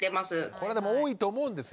これでも多いと思うんですよ。